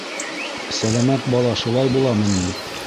- Сәләмәт бала шулай буламы ни?